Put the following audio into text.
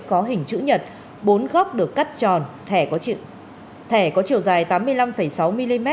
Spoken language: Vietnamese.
có hình chữ nhật bốn góc được cắt tròn thẻ có chiều dài tám mươi năm sáu mm